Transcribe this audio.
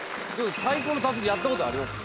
太鼓の達人やったことあります？